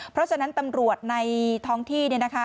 เพราะฉะนั้นตำรวจในท้องที่